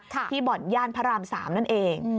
ที่บ่อนย่านพระราม๓นั่นเอง